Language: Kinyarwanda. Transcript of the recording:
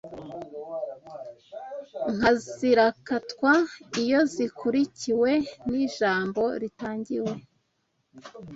nka zirakatwa iyo zikurikiwe n’ijambo ritangiwe